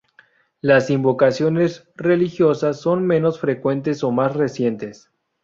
Las invocaciones religiosas son menos frecuentes o más recientes.